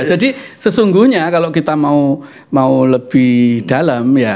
jadi sesungguhnya kalau kita mau lebih dalam ya